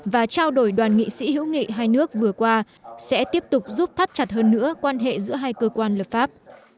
và trao đổi đoàn nghị sĩ hữu nghị hai nước vừa qua sẽ tiếp tục giúp thắt chặt hơn nữa quan hệ giữa hai cơ quan lập pháp